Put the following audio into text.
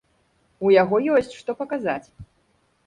У яго ёсць што паказаць.